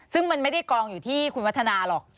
ซึ่งมันไม่ได้กองอยู่ที่คุณวัฒนาหรอก